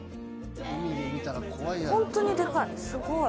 本当にでかい。